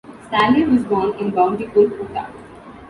Staley was born in Bountiful, Utah.